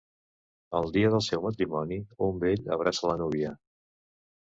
El dia del seu matrimoni, un vell abraça la núvia.